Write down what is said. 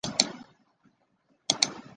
观察第的历史年代为清代。